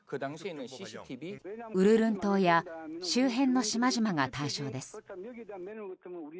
ウルルン島や周辺の島々が対象です。